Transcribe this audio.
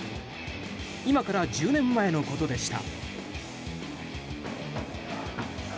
今から１０年前のことでした。